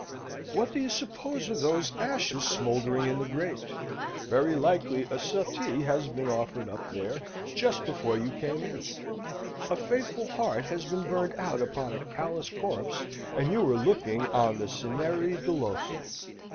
What do you suppose are those ashes smouldering in the grate? Very likely a suttee has been offered up there just before you came in: a faithful heart has been burned out upon a callous corpse, and you are looking on the cineri doloso.